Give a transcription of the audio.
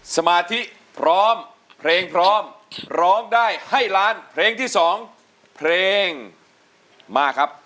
สมาธิพร้อมเพลงพร้อมร้องได้ให้ล้านเพลงที่๒เพลงมาครับ